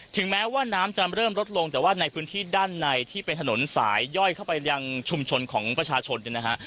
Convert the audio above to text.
แม้ว่าน้ำจะเริ่มลดลงแต่ว่าในพื้นที่ด้านในที่เป็นถนนสายย่อยเข้าไปยังชุมชนของประชาชนเนี่ยนะฮะ